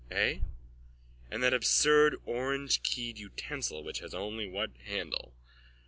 Eh? And that absurd orangekeyed utensil which has only one handle.